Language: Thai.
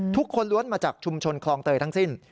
ทุกคนล้วนมาจากชุมชนคลองเตยทั้งสิ้น